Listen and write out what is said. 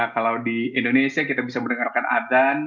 kalau di indonesia kita bisa mendengarkan adan